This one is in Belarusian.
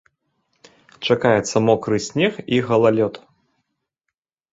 Чакаецца мокры снег і галалёд.